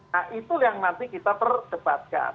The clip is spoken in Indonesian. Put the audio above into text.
nah itu yang nanti kita perdebatkan